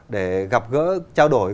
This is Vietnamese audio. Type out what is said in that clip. để gặp gỡ trao đổi